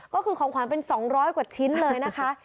ก็คือของขวัญเป็น๒๐๐กว่าชิ้นเลยนะคะ